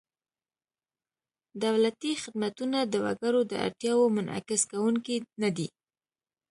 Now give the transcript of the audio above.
دولتي خدمتونه د وګړو د اړتیاوو منعکس کوونکي نهدي.